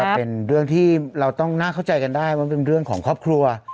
เป็นเรื่องที่เราต้องน่าเข้าใจกันได้ว่าเป็นเรื่องของครอบครัว